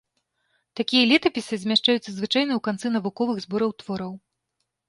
Такія летапісы змяшчаюцца звычайна ў канцы навуковых збораў твораў.